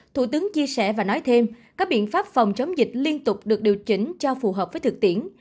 thủ tướng chia sẻ và nói thêm các biện pháp phòng chống dịch liên tục được điều chỉnh cho phù hợp với thực tiễn